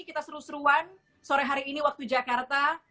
kita seru seruan sore hari ini waktu jakarta